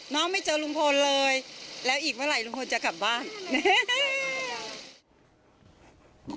ไม่เจอลุงพลเลยแล้วอีกเมื่อไหร่ลุงพลจะกลับบ้านแม่